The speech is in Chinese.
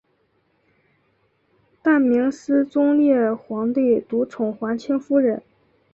大明思宗烈皇帝独宠华清夫人。